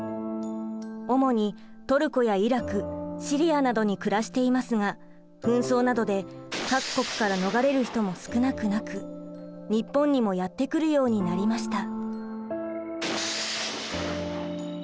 主にトルコやイラクシリアなどに暮らしていますが紛争などで各国から逃れる人も少なくなく日本にもやって来るようになりました。